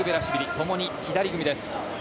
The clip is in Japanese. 共に左組みです。